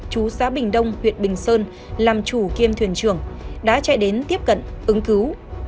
chú xã bình đông huyện bình sơn làm chủ kiêm thuyền trường đã chạy đến tiếp cận ứng cứu